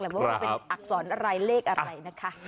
ว่ามันเป็นอักษรอะไรเลขอะไรนะคะ